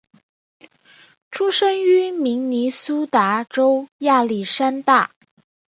出生于明尼苏达州亚历山大。